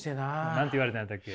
何て言われたんやったっけ？